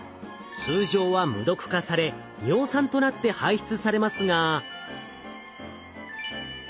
通常は無毒化され尿酸となって排出されますが。